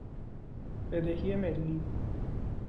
بدهی ملی